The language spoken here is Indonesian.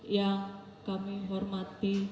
yang kami hormati